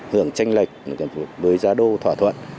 hưởng tranh lệch với giá đô thỏa thuận